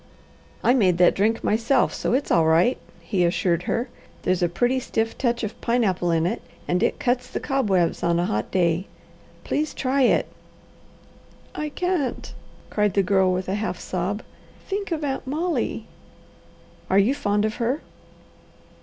"I made that drink myself, so it's all right," he assured her. "There's a pretty stiff touch of pineapple in it, and it cuts the cobwebs on a hot day. Please try it!" "I can't!" cried the Girl with a half sob. "Think of Aunt Molly!" "Are you fond of her?"